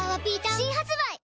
新発売